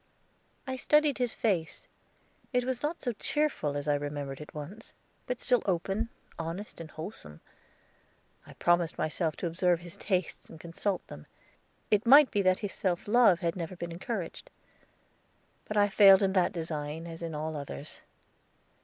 I studied his face; it was not so cheerful as I remembered it once, but still open, honest, and wholesome. I promised myself to observe his tastes and consult them. It might be that his self love had never been encouraged. But I failed in that design, as in all others.